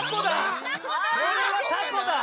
これはタコだ！